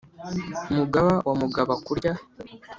mugaba wa mugaba kurya,